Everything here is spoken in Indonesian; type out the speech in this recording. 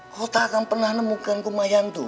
kau tak akan pernah nemukan kumayan itu